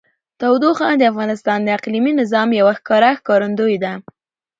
تودوخه د افغانستان د اقلیمي نظام یوه ښکاره ښکارندوی ده.